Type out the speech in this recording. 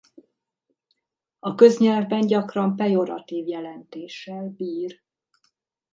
A köznyelvben gyakran pejoratív jelentéssel bír.